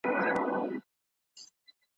ريښتينولي د ګډ ژوند تر ټولو مهم بنسټ دی.